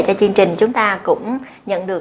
cho chương trình chúng ta cũng nhận được